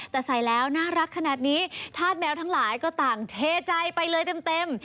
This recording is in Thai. แต่ใส่แล้วน่ารักขนาดนี้ธาตุแมวทั้งหลายก็ต่างเทใจไปเลยเต็ม